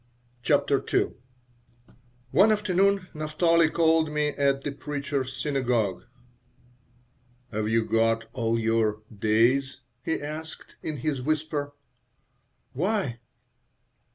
CHAPTER II ONE afternoon Naphtali called on me at the Preacher's Synagogue "Have you got all your 'days'?" he asked, in his whisper "Why?"